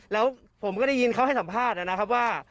แล้วผมก็ได้ยินเขาให้สัมภาษณ์นะครับว่า